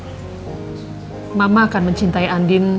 saat mama tau kau cintai andien